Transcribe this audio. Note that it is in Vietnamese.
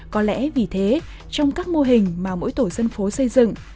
có lẽ vì thế trong các mô hình mà mỗi tổ dân phố xây dựng